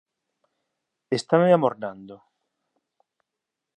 Estame amornando.